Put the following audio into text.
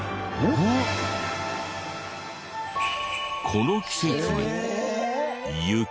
この季節に雪？